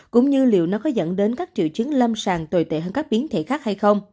cũng như liệu nó có dẫn đến các triệu dịch